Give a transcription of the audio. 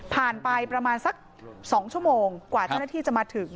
ไปประมาณสัก๒ชั่วโมงกว่าเจ้าหน้าที่จะมาถึง